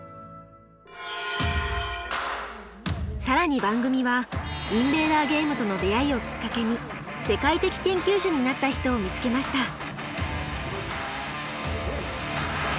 更に番組はインベーダーゲームとの出会いをきっかけに世界的研究者になった人を見つけました。